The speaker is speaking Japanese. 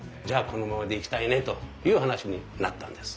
このままでいきたいねという話になったんです。